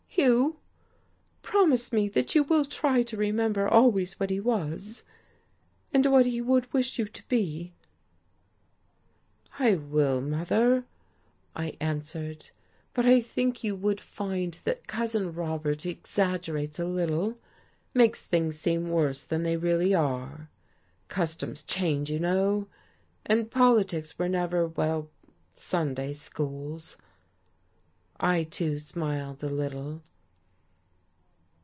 Hugh, promise me that you will try to remember always what he was, and what he would wish you to be!" "I will, mother," I answered. "But I think you would find that Cousin Robert exaggerates a little, makes things seem worse than they really are. Customs change, you know. And politics were never well Sunday schools." I, too, smiled a little.